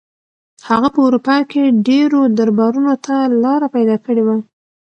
هغه په اروپا کې ډېرو دربارونو ته لاره پیدا کړې وه.